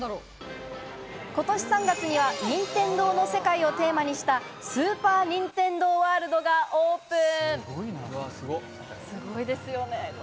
今年３月には任天堂の世界をテーマにしたスーパー・ニンテンドー・ワールドがオープン。